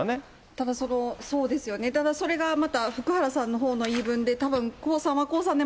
ただ、そうですよね、ただ、それが福原さんのほうの言い分で、たぶん、江さんは江さんで、